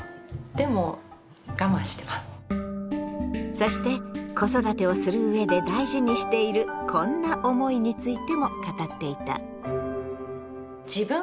そして子育てをするうえで大事にしているこんな思いについても語っていた。